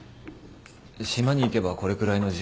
島に行けばこれくらいの字